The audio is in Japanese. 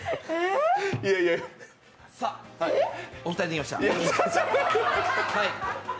さっ、お二人、できました。